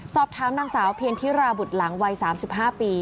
สอบถามนางสาวเพียนธิราบุตรหลังวัย๓๕ปี